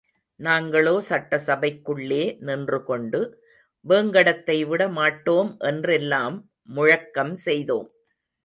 நாங்களோ சட்டசபைக்குள்ளே நின்றுகொண்டு வேங்கடத்தை விட மாட்டோம் என்றெல்லாம் முழக்கம் செய்தோம்.